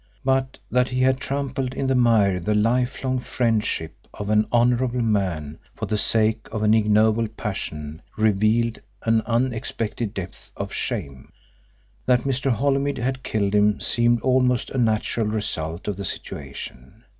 But that he had trampled in the mire the lifelong friendship of an honourable man for the sake of an ignoble passion revealed an unexpected depth of shame. That Mr. Holymead had killed him seemed almost a natural result of the situation.